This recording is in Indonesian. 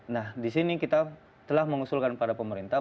nah di sini kita telah mengusulkan pada pemerintah